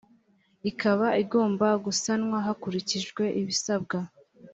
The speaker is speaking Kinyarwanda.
ikaba igomba gusanwa hakurikijwe ibisabwa.